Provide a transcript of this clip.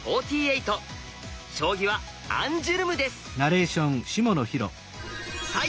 将棋はアンジュルムです。